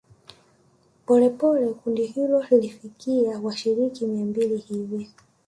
Polepole kundi hilo lilifikia washiriki mia mbili hivi